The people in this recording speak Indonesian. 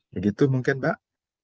begitu mungkin mbak